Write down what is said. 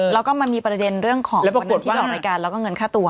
แล้วก็มันมีประเด็นเรื่องของประเด็นที่ออกรายการแล้วก็เงินค่าตัว